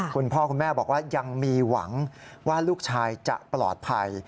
คุณพ่อคุณแม่บอกว่ายังมีหวังว่าลูกชายจะปลอดภัย